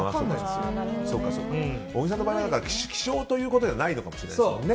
小木さんの場合は気象ということではないのかもしれないですね。